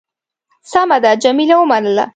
سمه ده. جميله ومنله.